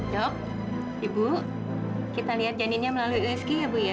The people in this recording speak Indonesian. dok ibu kita lihat janinnya melalui usg ya bu ya